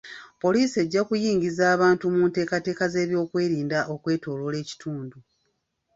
Poliisi ejja kuyingiza abantu mu ntekateeka z'ebyokwerinda okwetooloola ekitundu.